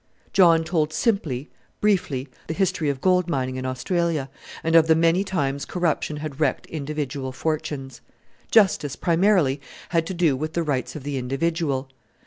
John told simply, briefly, the history of gold mining in Australia, and of the many times corruption had wrecked individual fortunes. Justice, primarily, had to do with the rights of the individual.